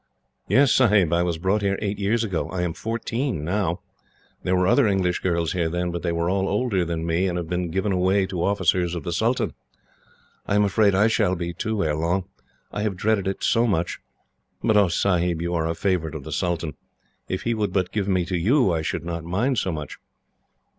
"Yes, Sahib. I was brought here eight years ago. I am fourteen now. There were other English girls here then, but they were all older than me, and have been given away to officers of the sultan. I am afraid I shall be, too, ere long. I have dreaded it so much! But oh, Sahib, you are a favourite of the sultan. If he would but give me to you, I should not mind so much."